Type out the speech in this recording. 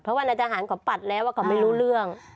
เพราะว่านายตำรวจเขาปัดแล้วก็ไม่รู้เรื่อง